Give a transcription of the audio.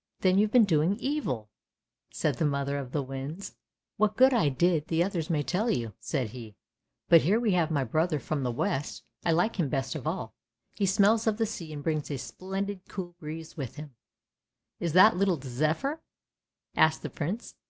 " "Then you've been doing evil!" said the mother of the winds. " What good I did, the others may tell you," said he. " But here we have my brother from the west; I like him best of all, he smells of the sea and brings a splendid cool breeze with him! "" Is that the little Zephyr? " asked the Prince.